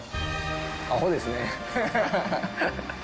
あほですね。